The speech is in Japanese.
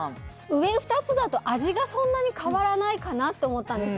上２つだと味が、そんなに変わらないかなって思ったんです。